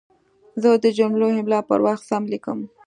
زه د جملو املا پر وخت سم لیکم.